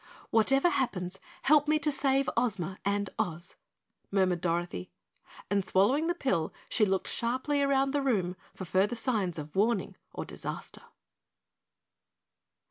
"Whatever happens, help me to save Ozma and Oz," murmured Dorothy, and swallowing the pill, she looked sharply around the room for further signs of warning or disaster.